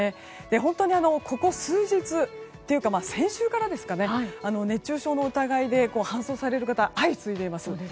本当にここ数日というか先週から熱中症の疑いで搬送される方が相次いでいます。